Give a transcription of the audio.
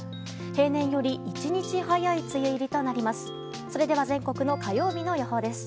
平年より１日早い梅雨入りとなります。